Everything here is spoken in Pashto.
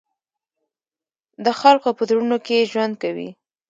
د خلقو پۀ زړونو کښې ژوند کوي،